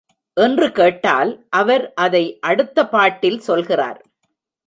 என்று கேட்டால், அவர் அதை அடுத்த பாட்டில் சொல்கிறார்.